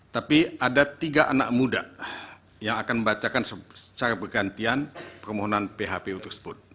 tapi ada tiga anak muda yang akan membacakan secara bergantian permohonan phpu tersebut